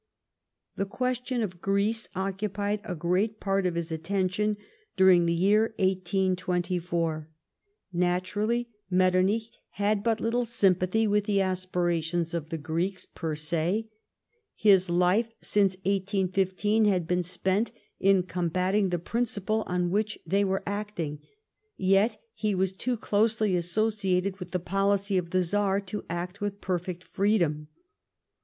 Tiie question of Greece occupied a great part of his attention during the year 1824. Naturally Metternich had G VEBNMENT B Y BEPBESSION. 1 G3 but little sympathy with the aspirations of the Greeks — 2)er se. His life, since 1815, had been spent in combating the princi})le on which they were acting . Yet he was too closely associated with the policy of the Czar to act with perfect freedom.